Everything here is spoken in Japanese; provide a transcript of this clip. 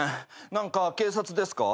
何か警察ですか？